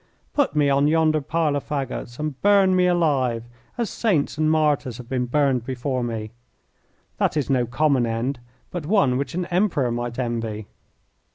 Put me on yonder pile of fagots and burn me alive, as saints and martyrs have been burned before me. That is no common end, but one which an Emperor might envy."